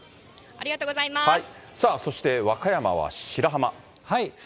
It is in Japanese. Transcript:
さあそして、和歌山は白浜。